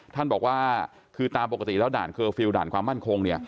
ท่านบอกว่าคือตามปกติแล้วด่านเคอร์ฟิลลด่านความมั่นคงเนี่ย